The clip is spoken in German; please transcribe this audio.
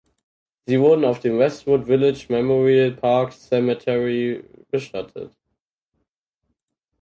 Sie wurde auf dem Westwood Village Memorial Park Cemetery bestattet.